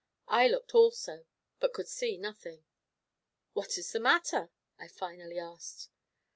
I looked also, but could see nothing. "What is the matter?" I finally asked.